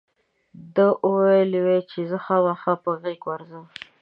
ده وویل وی دې زه خامخا په غېږ ورځم.